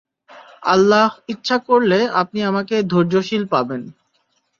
আল্লাহ ইচ্ছা করলে আপনি আমাকে ধৈর্যশীল পাবেন।